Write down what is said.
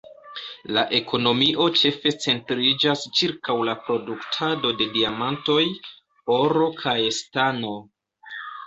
La ekonomio ĉefe centriĝas ĉirkaŭ la produktado de diamantoj, oro kaj stano.